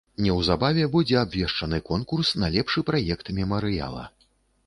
Неўзабаве будзе абвешчаны конкурс на лепшы праект мемарыяла.